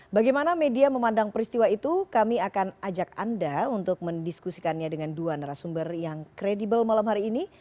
bagaimana media memandang peristiwa itu kami akan ajak anda untuk mendiskusikannya dengan dua narasumber yang kredibel malam hari ini